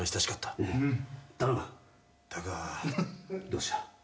どうした？